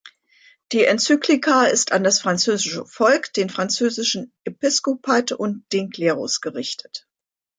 Die Enzyklika ist an das französische Volk, den französischen Episkopat und den Klerus gerichtet.